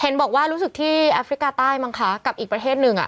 เห็นบอกว่ารู้สึกที่แอฟริกาใต้มั้งคะกับอีกประเทศหนึ่ง